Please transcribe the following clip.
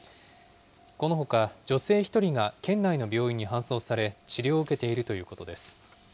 このほか、女性１人が県内の病院に搬送され、治療を受けているということです。